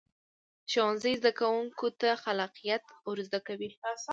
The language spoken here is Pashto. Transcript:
ښوونځی زده کوونکو ته خلاقیت ورزده کوي